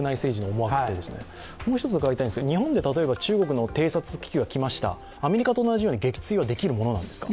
もう１つ、日本に例えば中国に偵察機器が来ました、アメリカと同じように撃墜はできるものなんですか？